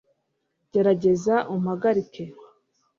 gerageza umpagarike